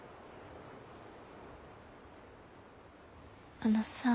あのさあ。